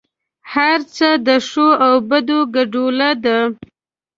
هر څه د ښو او بدو ګډوله ده.